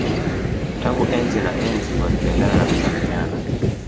Tangu enzi na enzi walipendana na kuthaminiana